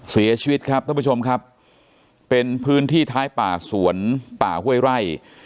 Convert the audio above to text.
เสียชีวิตครับท่านผู้ชมครับเป็นพื้นที่ท้ายป่าสวนป่าห้วยไร่